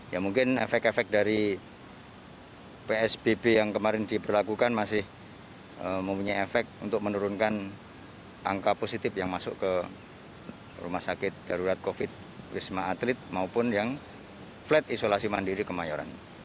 ya mungkin efek efek dari psbb yang kemarin diberlakukan masih mempunyai efek untuk menurunkan angka positif yang masuk ke rumah sakit darurat covid sembilan belas wisma atlet maupun yang flat isolasi mandiri kemayoran